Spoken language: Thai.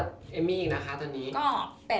ตอนนี้ตังเยอะกว่าเอมมี่อีกนะคะ